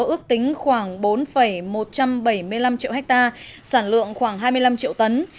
ước tính khoảng bốn một trăm bảy mươi năm triệu hectare sản lượng khoảng hai mươi năm triệu tấn